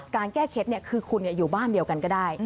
การแก้เคล็ดคือคุณอยู่บ้านเดียวกันก็ได้